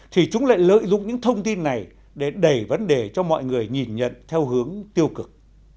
thì chúng lại lợi dụng những thông tin này để đẩy vấn đề cho mọi người nhìn nhận theo hướng tiêu cực